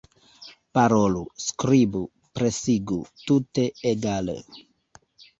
Parolu, skribu, presigu; tute egale.